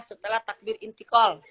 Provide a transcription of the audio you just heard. setelah takbir intikol